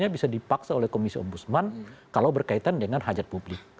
bisa dipaksa oleh komisi ombudsman kalau berkaitan dengan hajat publik